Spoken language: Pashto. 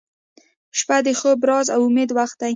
• شپه د خوب، راز، او امید وخت دی